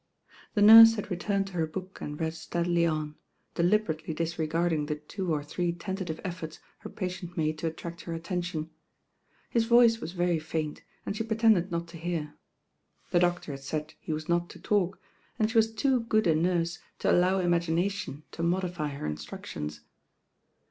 The nurse had returned to her book and read steadily on, deliberately disregarding the two or three tentative efforts her patient made to attract her attention. His voice was very faint, and she pretended not to hear. The doctor had •aid he was not to talk, and she was too good a LOST DAYS AND THE DOCTOR 49 nune to allow imagination to modify her instruc tions.